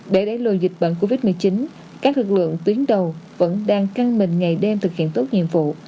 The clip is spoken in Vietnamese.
để đẩy lùi dịch bệnh covid một mươi chín các lực lượng tuyến đầu vẫn đang căng mình ngày đêm thực hiện tốt nhiệm vụ